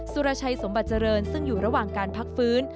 สุรชัยสมบัติเจริญซึ่งอยู่ระหว่างการพักฟื้น